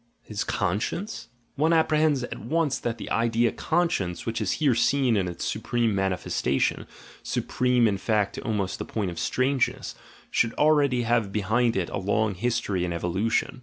His conscience? — One apprehends at once that the idea "conscience," which is here seen in its supreme mani festation, supreme in fact to almost the point of strange ness, should already have behind it a long history and evolution.